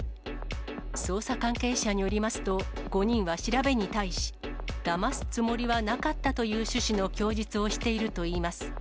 捜査関係者によりますと、５人は調べに対し、だますつもりはなかったという趣旨の供述をしているといいます。